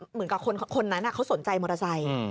เหมือนกับคนนั้นเขาสนใจมอเตอร์ไซค์